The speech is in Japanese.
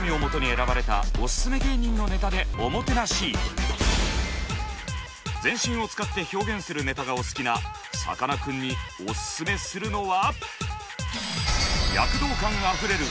まずは全身を使って表現するネタがお好きなさかなクンにオススメするのは。